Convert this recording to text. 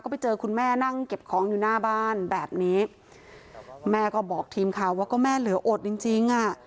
ไปเจอคุณแม่นั่งเก็บของอยู่หน้าบ้านแบบนี้แม่ก็บอกทีมข่าวว่าก็แม่เหลืออดจริงจริงอ่ะ